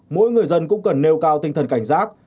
mỗi người dân cũng cần nêu cao tinh thần cảnh giác